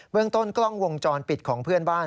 เมืองต้นกล้องวงจรปิดของเพื่อนบ้าน